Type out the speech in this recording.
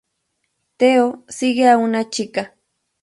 Theo sigue a una chica.